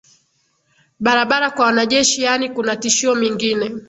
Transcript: barabara kwa wanajeshi yaani kuna tishio mingine